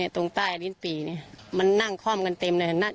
ตรงใต้ลิ้นปี่มันนั่งคล่อมกันเต็มเลย